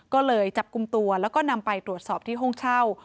ก็เลยจับกลุ่มตัวแล้วก็นำไปตรวจสอบที่ห้องเช่า